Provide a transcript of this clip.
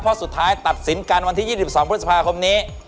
เพราะสุดท้ายตัดสินกันวันที่๒๒พฤษภาคมนี้